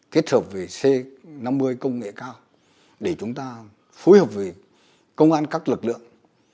kết hợp về c năm mươi công nghệ cao để chúng ta phối hợp với công an các lực lượng